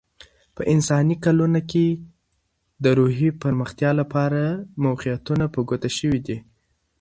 په انساني کلونه کې، د روحي پرمختیا لپاره موقعیتونه په ګوته شوي دي.